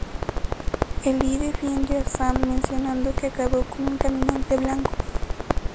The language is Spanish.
Elí defiende a Sam, mencionando que acabó con un caminante blanco.